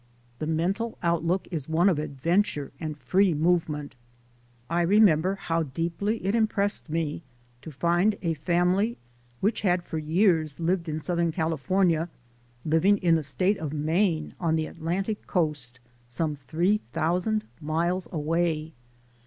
The mental outlook is one of adventure and free movement. I remember how deeply it impressed me to find a family which had for years lived in southern California living in the State of Maine on the Atlantic Coast, some three thousand miles away.